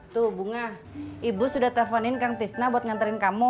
tuh bunga ibu sudah telponin kang tisna buat nganterin kamu